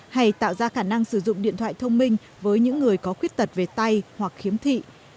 hay tạo ra khả năng sử dụng điện thoại thông minh với những người có khuyết tật về tay hoặc khiếm thị